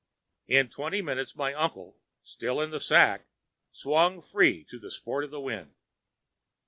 In twenty minutes my uncle, still in the sack, swung free to the sport of the wind.